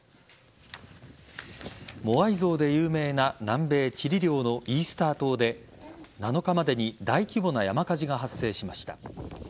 モアイ像で有名な南米・チリ領のイースター島で７日までに大規模な山火事が発生しました。